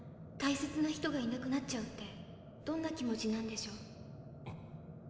大切な人がいなくなっちゃうってどんな気持ちなんでしょう。